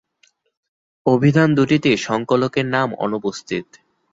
অভিধান দুটিতে সংকলকের নাম অনুপস্থিত।